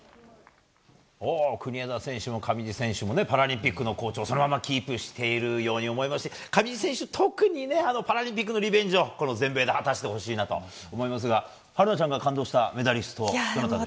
国枝選手も上地選手もパラリンピックの好調更にキープしているようにも思えますし、上地選手は特にパラリンピックのリベンジをこの全米で果たしてほしいと思いますが春奈ちゃんが感動したメダリストは？